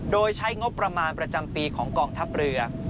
โดยใช้งบประมาณประจำปีของกองทัพเรือ